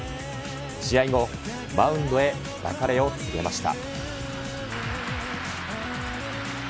試合後、マウンドへ別れを告げました。